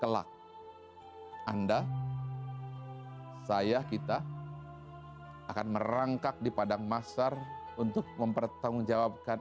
kelak anda saya kita akan merangkak di padang massar untuk mempertanggungjawabkan